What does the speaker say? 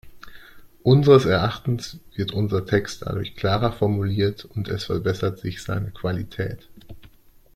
Unseres Erachtens wird unser Text dadurch klarer formuliert und es verbessert sich seine Qualität.